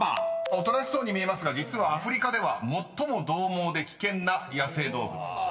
［おとなしそうに見えますが実はアフリカでは最もどう猛で危険な野生動物］